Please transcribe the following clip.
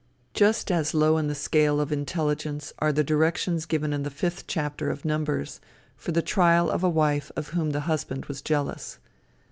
Just as low in the scale of intelligence are the directions given in the fifth chapter of Numbers, for the trial of a wife of whom the husband was jealous.